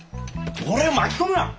俺を巻き込むな！